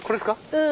うん。